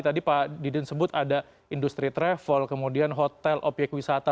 tadi pak didin sebut ada industri travel kemudian hotel obyek wisata